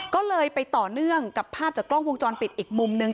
ก็เลยไปต่อเนื่องกับภาพจากกล้องวงจรปิดอีกมุมนึง